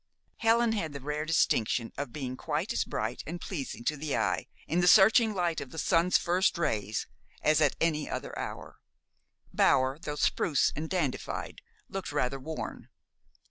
Helen had the rare distinction of being quite as bright and pleasing to the eye in the searching light of the sun's first rays as at any other hour. Bower, though spruce and dandified, looked rather worn.